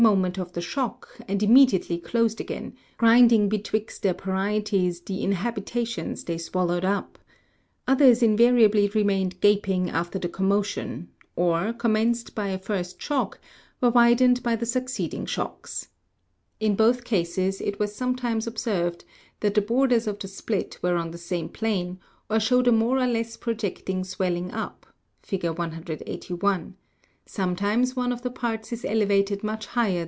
moment of the shock, and immediately closed again, grinding be twixt their parietes the habitations they swallowed up ; others in variably remained gaping after the commotion, or, commenced by a first shock, were widened by succeeding shocks. In both cases it was sometimes observed that the borders of the split were on the same plane, or showed a more or less projecting swelling up 4. What are the effects of earthquakes? What is the character of fis sures produced by earthquakes